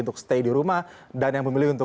untuk stay di rumah dan yang memilih untuk